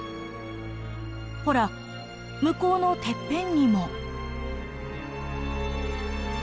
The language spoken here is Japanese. ほら向こうのてっぺんにも。